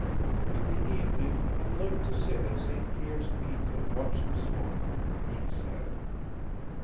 "In the evening I love to sit at St. Pierre's feet and watch him smoke," she said.